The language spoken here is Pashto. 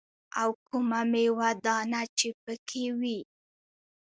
او کومه ميوه دانه چې پکښې وي.